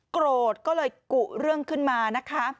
โกรธก็เลยกุเรื่องขึ้นมานะคะ